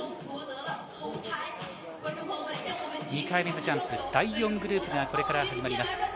２回目のジャンプ、第４グループがこれから始まります。